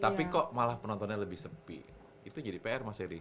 tapi kok malah penontonnya lebih sepi itu jadi pr mas erick